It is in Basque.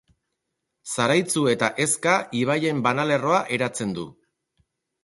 Zaraitzu eta Ezka ibaien banalerroa eratzen du.